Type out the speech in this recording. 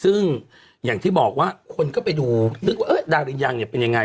ซึ่งอย่างที่บอกว่าคนก็ไปดูนึกว่าดารินยังเนี่ยเป็นยังไง